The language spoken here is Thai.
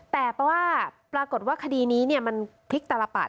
แต่เพราะว่าปรากฏว่าคดีนี้มันพลิกตลปัด